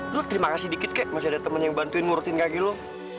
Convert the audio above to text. lo terima kasih dikit kakek masih ada temen yang bantuin ngurutin kakek lo